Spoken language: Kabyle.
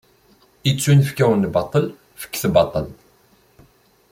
Ittunefk-awen-d baṭel, fket baṭel.